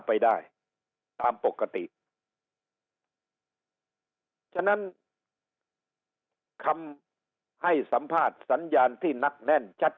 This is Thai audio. ไปได้ตามปกติฉะนั้นคำให้สัมภาษณ์สัญญาณที่นักแน่นชัด